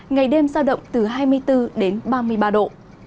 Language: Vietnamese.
ngày đêm sao động từ hai mươi bốn ba mươi ba độ